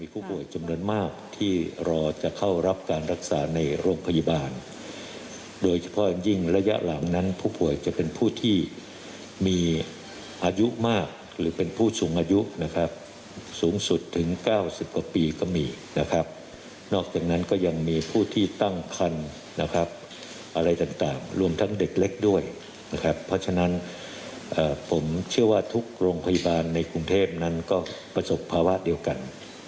พยาบาลในกรุงเทพฯนั้นก็ประสบภาวะเดียวกัน